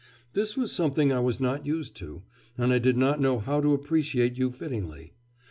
This was something I was not used to, and I did not know how to appreciate you fittingly.